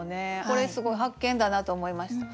これすごい発見だなと思いました。